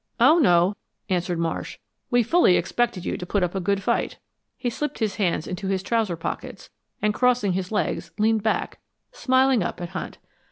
"Oh, no," answered Marsh. "We fully expected you to put up a good fight." He slipped his hands into his trouser pockets, and crossing his legs, leaned back, smiling up at Hunt.